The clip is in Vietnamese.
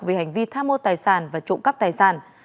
về hành vi tham mô tài sản và trộm cắp tài sản